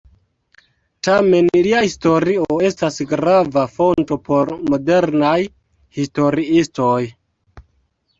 Tamen lia historio estas grava fonto por modernaj historiistoj.